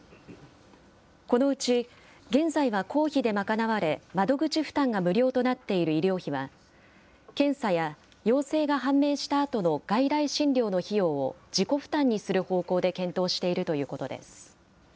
このうち、現在は公費で賄われ、窓口負担が無料となっている医療費は、検査や陽性が判明したあとの外来診療の費用を自己負担にする方向で検討しているということです。